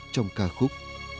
trong ca khúc